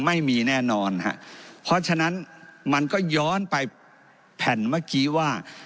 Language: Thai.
ไม่มีแน่นอนฮะเพราะฉะนั้นมันก็ย้อนไปแผ่นเมื่อกี้ว่า